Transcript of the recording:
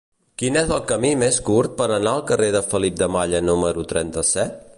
Quin és el camí més curt per anar al carrer de Felip de Malla número trenta-set?